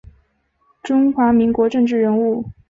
中华民国政治人物。